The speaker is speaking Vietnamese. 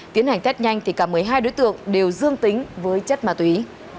tiến hành test nhanh thì cả một mươi hai đối tượng đều dương tính với chất ma túy